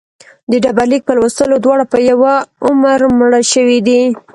د ډبرلیک په لوستلو دواړه په یوه عمر مړه شوي دي.